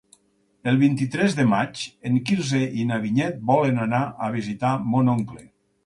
El vint-i-tres de maig en Quirze i na Vinyet volen anar a visitar mon oncle.